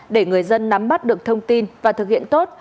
để người dân nắm bắt được thông tin và thực hiện tốt